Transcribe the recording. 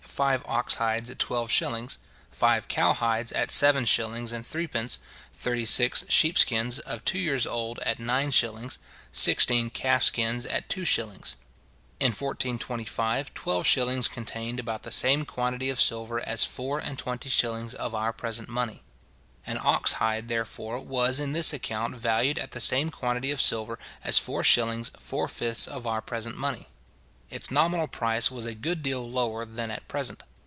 five ox hides at twelve shillings; five cow hides at seven shillings and threepence; thirtysix sheep skins of two years old at nine shillings; sixteen calf skins at two shillings. In 1425, twelve shillings contained about the same quantity of silver as four and twenty shillings of our present money. An ox hide, therefore, was in this account valued at the same quantity of silver as 4s. 4/5ths of our present money. Its nominal price was a good deal lower than at present.